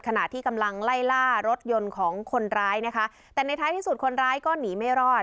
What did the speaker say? ขณะที่กำลังไล่ล่ารถยนต์ของคนร้ายนะคะแต่ในท้ายที่สุดคนร้ายก็หนีไม่รอด